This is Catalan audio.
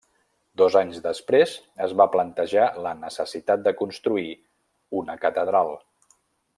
Dos anys després, es va plantejar la necessitat de construir una catedral.